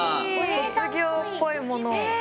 卒業っぽいものを。